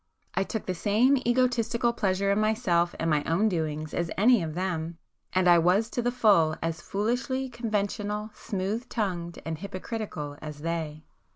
I took the same egotistical pleasure in myself and my own doings as any of them,—and I was to the full as foolishly conventional, smooth tongued and hypocritical as they.